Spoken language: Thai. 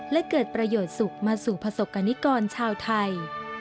และเกิดประโยชน์สุขมาสู่ประสบกรณิกรชาวไทย